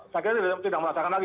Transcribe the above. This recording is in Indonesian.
saya kira tidak merasakan lagi